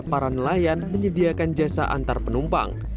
para nelayan menyediakan jasa antar penumpang